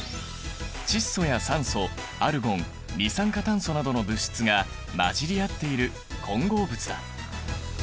窒素や酸素アルゴン二酸化炭素などの物質が混じり合っている混合物だ。